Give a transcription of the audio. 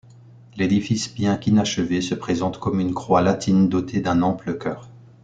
L'édifice, bien qu'inachevé, se présente comme une croix latine dotée d'un ample chœur.